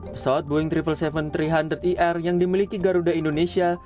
pesawat boeing tujuh ratus tujuh puluh tujuh tiga ratus ir yang dimiliki garuda indonesia